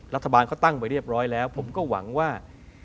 รัฐบาลเขาตั้งไปเรียบร้อยแล้วผมก็หวังว่า